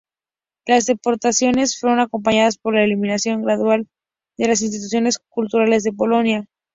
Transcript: Las deportaciones fueron acompañadas por la eliminación gradual de las instituciones culturales de Polonia.